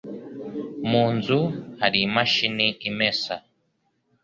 Mu nzu hari imashini imesa?